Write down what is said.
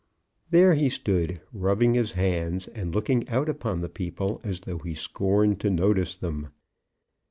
There he stood, rubbing his hands and looking out upon the people as though he scorned to notice them.